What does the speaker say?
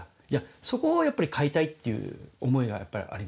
そこを変えたいっていう思いがやっぱりありますね。